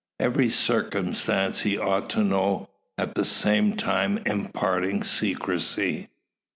Every circumstance he ought to know, at the same time imparting secrecy.